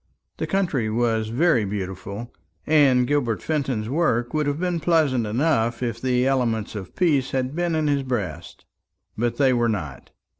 The country was very beautiful, and Gilbert Fenton's work would have been pleasant enough if the elements of peace had been in his breast. But they were not.